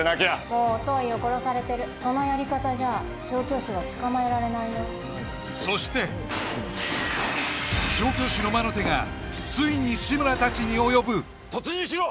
もう遅いよ殺されてるそのやり方じゃあ調教師は捕まえられないよそして調教師の魔の手がついに志村たちに及ぶ突入しろ！